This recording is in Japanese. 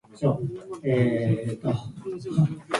数えきれないほどの書物があること。書籍に埋もれんばかりのさま。